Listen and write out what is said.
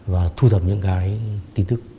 và thu thập những cái tin tức